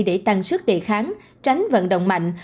để tăng sức đề kháng tránh vận động mạnh